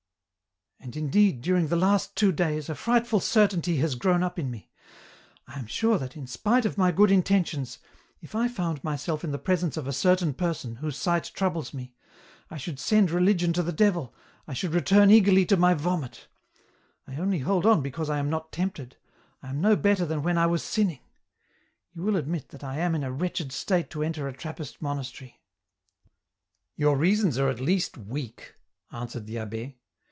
*' And, indeed, during the last two days, a frightful certainty has grown up in me ; I am sure that, in spite of my good intentions, if I found myself in the presence of a certain person, whose sight troubles me, I should send religion to the devil, I should return eagerly to my vomit ; I only hold on because I am not tempted, I am no better than when I was sinning. You will admit that I am in a wretched state to enter a Trappist monastery." " Your reasons are at least weak," answered the abb^.